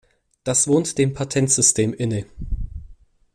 Das wohnt dem Patentsystem inne.